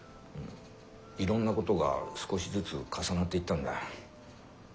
いろんなことが少しずつ重なっていったんだ。